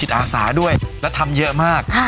ตั้งความยืนตั้งความยืนตั้งความยืน